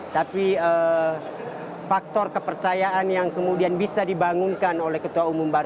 tapi faktor kepercayaan yang kemudian bisa dipercaya oleh ketua golkar